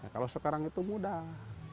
kalau sekarang itu mudah